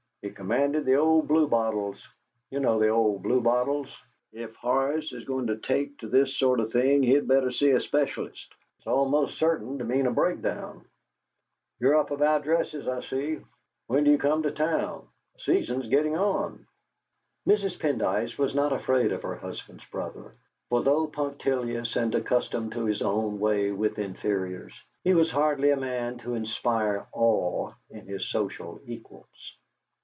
He commanded the old Bluebottles. You know the old Bluebottles? If Horace is going to take to this sort of thing he'd better see a specialist; it's almost certain to mean a breakdown. You're up about dresses, I see. When do you come to town? The season's getting on." Mrs. Pendyce was not afraid of her husband's brother, for though punctilious and accustomed to his own way with inferiors, he was hardly a man to inspire awe in his social equals.